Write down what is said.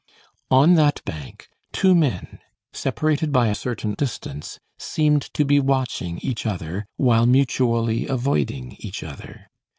On that bank, two men, separated by a certain distance, seemed to be watching each other while mutually avoiding each other.